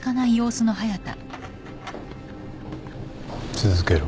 続けろ。